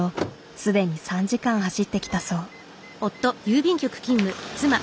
既に３時間走ってきたそう。